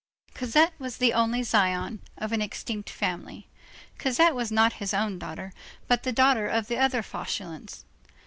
Cosette was the only scion of an extinct family; Cosette was not his own daughter, but the daughter of the other Fauchelevent.